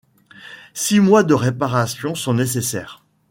Six mois de réparations sont nécessaires.